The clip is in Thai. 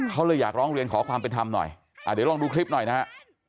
เขาเลยอยากร้องเรียนขอความเป็นธรรมหน่อยเดี๋ยวลองดูคลิปหน่อยนะฮะ